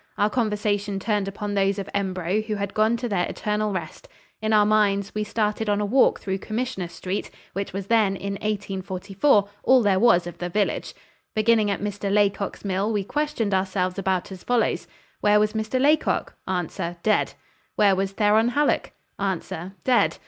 Our conversation turned upon those of Embro who had gone to their eternal rest. In our minds we started on a walk through Commissioner Street, which was then, in 1844, all there was of the village. Beginning at Mr. Laycock's mill, we questioned ourselves about as follows: 'Where was Mr. Laycock?' Answer, 'Dead.' 'Where was Theron Hallock?' Answer, 'Dead.'